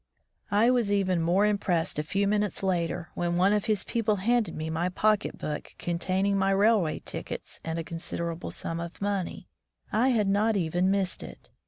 I was even more impressed a few minutes later, when one of his people handed me my pocket book containing my railway tickets and a considerable sum of money. I had not even missed it!